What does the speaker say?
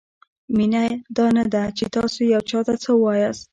مینه دا نه ده؛ چې تاسو یو چاته څه وایاست؛